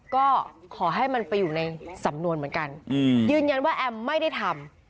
ก็ขอให้มันไปอยู่ในสำนวนเหมือนกันยืนยันว่าแอมไม่ได้ทำ